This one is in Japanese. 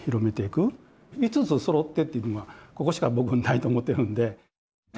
５つそろってっていうのはここしか僕はないと思ってるんで。